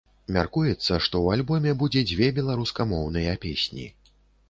Мяркуецца, што ў альбоме будзе дзве беларускамоўныя песні.